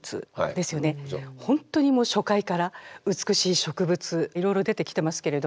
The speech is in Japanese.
本当に初回から美しい植物いろいろ出てきてますけれども。